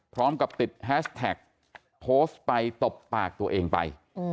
พร้อมกับติดแฮชแท็กโพสต์ไปตบปากตัวเองไป